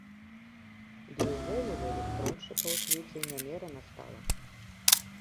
Ды і ўвогуле, электроншчыкаў у свеце нямерана стала.